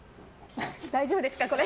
大丈夫ですか、これ。